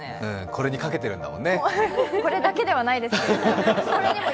これだけではないですけど。